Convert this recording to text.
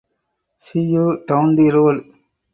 See you down the road.